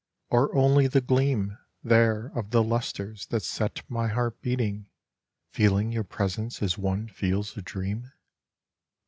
or only the gleam There of the lustres, that set my heart beating, Feeling your presence as one feels a dream?